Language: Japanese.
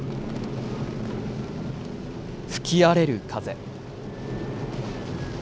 吹き荒れる風。